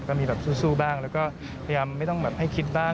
ก็มีแบบสู้บ้างแล้วก็พยายามไม่ต้องแบบให้คิดบ้าง